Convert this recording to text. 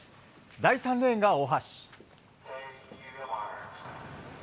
第３レーンが大橋。